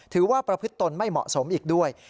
ถือว่าประพฤติตนไม่เหมาะสมอีกด้วย